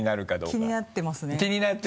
気になってますね。